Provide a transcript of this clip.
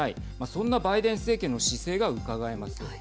そんなバイデン政権の姿勢がうかがえます。